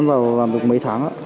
em vào làm được mấy tháng ạ